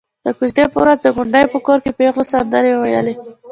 د کوژدې په ورځ د کونډې په کور کې پېغلو سندرې وويلې.